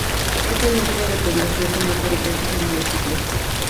Es el núcleo de población con más habitantes del municipio.